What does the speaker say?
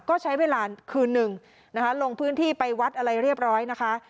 ก็ใช้เวลาคืนหนึ่งนะคะลงพื้นที่ไปวัดอะไรเรียบร้อยนะคะ